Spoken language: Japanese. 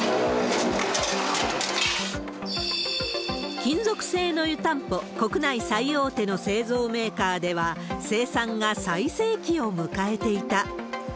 金属製の湯たんぽ国内最大手の製造メーカーでは、生産が最盛期を迎えていた。